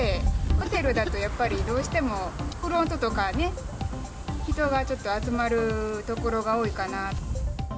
ホテルだとやっぱり、どうしてもフロントとかね、人がちょっと集まる所が多いかな。